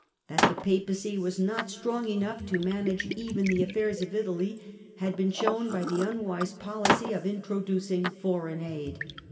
That the Papacy was not strong enough to manage even the affairs of Italy had been shown by the unwise policy of introducing foreign aid.